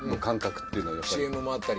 ＣＭもあったり。